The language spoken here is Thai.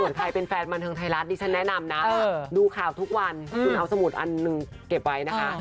ส่วนใครเป็นแฟนบันเทิงไทยรัฐดิฉันแนะนำนะดูข่าวทุกวันคุณเอาสมุดอันหนึ่งเก็บไว้นะคะ